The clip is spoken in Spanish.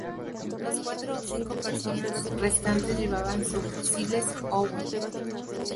Los cuatro o cinco personas restantes llevaban subfusiles Owen.